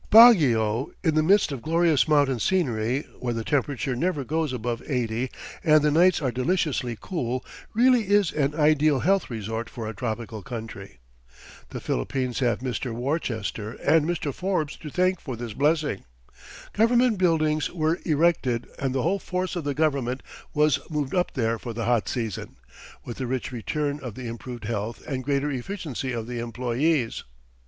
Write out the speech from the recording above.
Baguio, in the midst of glorious mountain scenery, where the temperature never goes above eighty and the nights are deliciously cool, really is an ideal health resort for a tropical country. The Philippines have Mr. Worcester and Mr. Forbes to thank for this blessing. Government buildings were erected, and the whole force of the government was moved up there for the hot season, with the rich return of the improved health and greater efficiency of the employees.